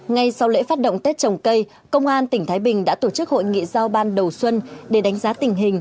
ngay sau lễ phát động tết trồng cây công an tỉnh thái bình đã tổ chức hội nghị giao ban đầu xuân để đánh giá tình hình